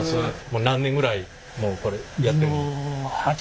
もう何年ぐらいもうこれやってる？